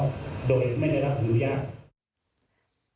ก็โดยไม่ได้รับรู้อย่าง